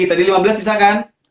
tadi lima belas bisa kan